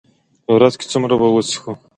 په ورځ کې څومره اوبه وڅښو؟